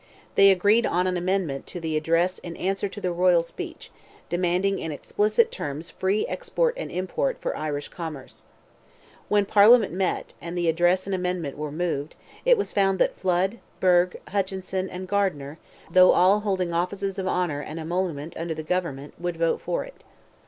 They agreed on an amendment to the address in answer to the royal speech, demanding in explicit terms "free export and import" for Irish commerce. When Parliament met, and the address and amendment were moved, it was found that Flood, Burgh, Hutchinson, and Gardiner, though all holding offices of honour and emolument under government, would vote for it.